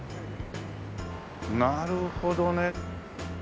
なるほどね。